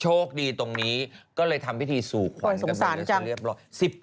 โชคดีตรงนี้ก็เลยทำพิธีสู่ขวัญกันไปเรียบร้อย